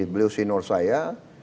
beliau sinur saya